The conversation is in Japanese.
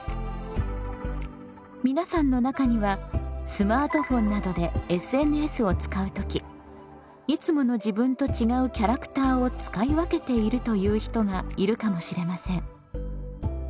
皆さんの中にはスマートフォンなどでＳＮＳを使う時いつもの自分と違うキャラクターを使い分けているという人がいるかもしれません。